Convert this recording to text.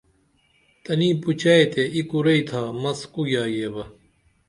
تنی پوچئے تے ای کورئی تھا مس کو گیاگیبہ